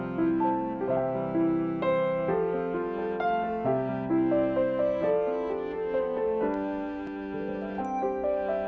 gak ada tanpa ipah